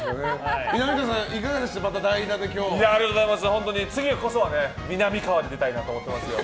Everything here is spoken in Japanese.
本当に次こそは、みなみかわで出たいなと思ってますよ。